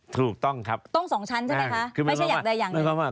ถูกต้องครับต้องสองชั้นใช่ไหมคะคือไม่ใช่อย่างใดอย่างหนึ่ง